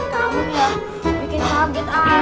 tau gak bikin kaget aja